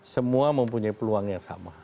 semua mempunyai peluang yang sama